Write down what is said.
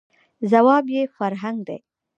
، ځواب یې «فرهنګ» دی.